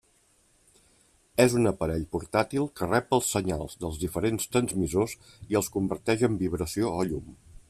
És un aparell portàtil que rep els senyals dels diferents transmissors i els converteix en vibració o llum.